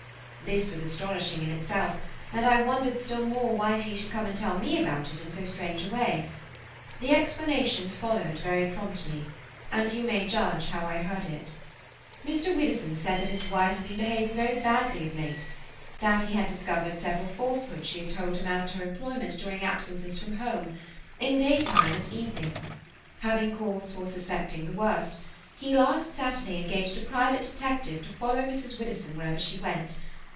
This was astonishing in itself, and I wondered still more why he should come and tell me about it in so strange a way. The explanation followed very promptly, and you may judge how I heard it. Mr. Widdowson said that his wife had been behaving very badly of late; that he had discovered several falsehoods she had told him as to her employment during absences from home, in daytime and evening. Having cause for suspecting the worst, he last Saturday engaged a private detective to follow Mrs. Widdowson wherever she went.